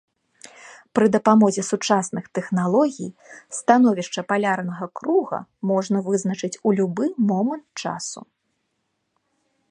Пры дапамозе сучасных тэхналогій становішча палярнага круга можна вызначыць у любы момант часу.